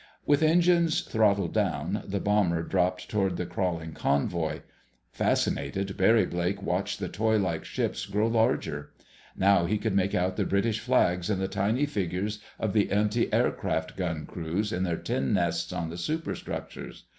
With engines throttled down, the bomber dropped toward the crawling convoy. Fascinated, Barry Blake watched the toy like ships grow larger. Now he could make out the British flags and the tiny figures of the antiaircraft gun crews in their tin nests on the superstructures.